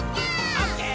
「オッケー！